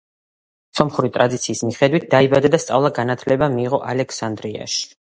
სომხური ტრადიციის მიხედვით, დაიბადა და სწავლა-განათლება მიიღო ალექსანდრიაში.